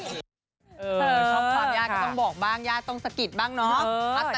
ชอบความยากก็ต้องบอกบ้างญาติต้องสะกิดบ้างเนาะ